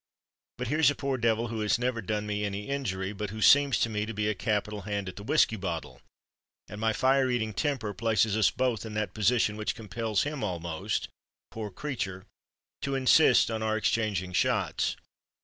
But here's a poor devil who has never done me any injury, but who seems to me to be a capital hand at the whiskey bottle,—and my fire eating temper places us both in that position which compels him almost, poor creature! to insist on our exchanging shots.